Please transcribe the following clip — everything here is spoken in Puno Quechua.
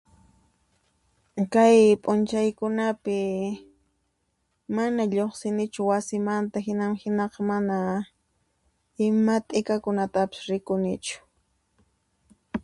Kay phunchaykunapi manan llojsinichu wasimanta jinan jinaka mana ima tiqakunatapis rikunichu